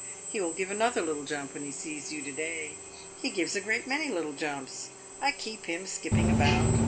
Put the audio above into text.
He will give another little jump when he sees you to day. He gives a great many little jumps; I keep him skipping about!